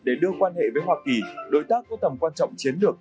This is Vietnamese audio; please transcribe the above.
để đưa quan hệ với hoa kỳ đối tác có tầm quan trọng chiến lược